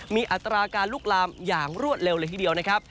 มีอัตราการลุกลามอย่างรวดเร็วเลยทีเดียวนะครับ